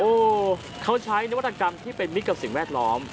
โอ้โหเขาใช้นวัตกรรมที่เป็นมิตรกับสิ่งแวดล้อม